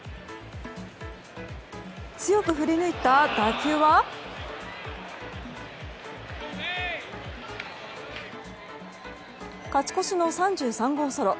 強く振り抜いた打球は勝ち越しの３３号ソロ。